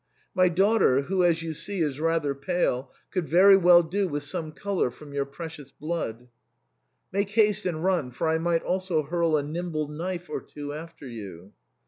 My daughter, who, as you see, is rather pale, could very well do with some colour from your precious blood. Make haste and run, for I might also hurl a nimble knife or two after you.'